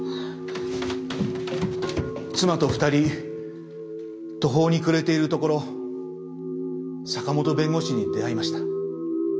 妻と２人途方に暮れているところ坂本弁護士に出会いました。